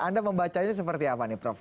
anda membacanya seperti apa nih prof